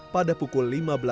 pada pukul lima belas empat puluh